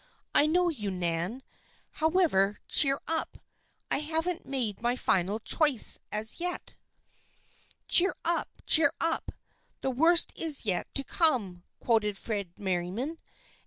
I know you, Nan. However, cheer up. I haven't made my final choice as yet." " Cheer up ! cheer up ! The worst is yet to come !" quoted Fred Merriam.